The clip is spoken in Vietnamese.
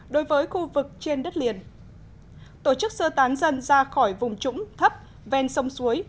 đối với khu vực trên đất liền tổ chức sơ tán dân ra khỏi vùng trũng thấp ven sông suối